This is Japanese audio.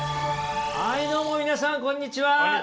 はいどうも皆さんこんにちは。